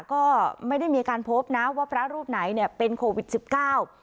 ก็ไม่ได้มีการพบนะว่าพระรูปไหนเนี่ยเป็นโควิดสิบเก้า